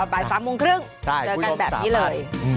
บ่าย๓โมงครึ่งเจอกันแบบนี้เลย